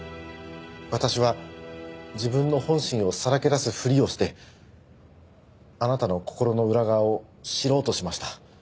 私は自分の本心をさらけ出すふりをしてあなたの心の裏側を知ろうとしました。